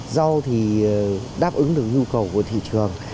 rau thì đáp ứng được nhu cầu của thị trường